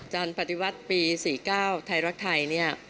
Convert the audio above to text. ปฏิวัติปี๔๙ไทยรักไทยเนี่ย